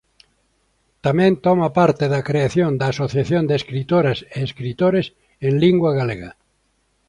Tamén toma parte da creación da Asociación de Escritoras e Escritores en Lingua Galega.